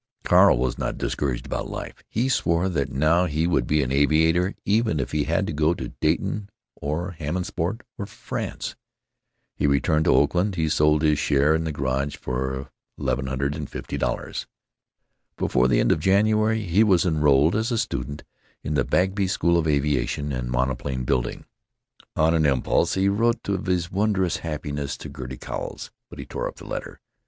Carl was not discouraged about life. He swore that now he would be an aviator even if he had to go to Dayton or Hammondsport or France. He returned to Oakland. He sold his share in the garage for $1,150. Before the end of January he was enrolled as a student in the Bagby School of Aviation and Monoplane Building. On an impulse he wrote of his wondrous happiness to Gertie Cowles, but he tore up the letter.